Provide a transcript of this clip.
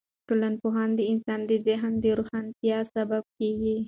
ټولنپوهنه د انسان د ذهن د روښانتیا سبب کیږي.